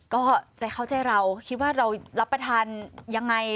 ก็ใจเข้าใจเราคิดว่าเรารับประทานยังไง